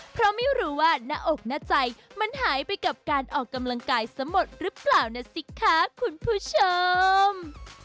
เพราะไม่รู้ว่าหน้าอกหน้าใจมันหายไปกับการออกกำลังกายสมดหรือเปล่านะสิคะคุณผู้ชม